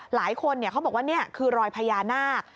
เขาบอกว่านี่คือรอยพญานาค